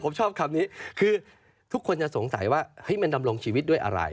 ผมชอบคำนี้คือทุกคนจะสงสัยว่ามันดำรงชีวิตด้วยอะไร